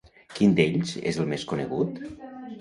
Quin d'ells és el més conegut?